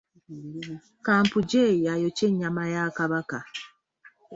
Kampujje y'ayokya ennyama ya Kabaka